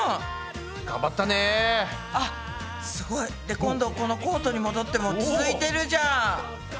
で今度このコートに戻っても続いてるじゃん。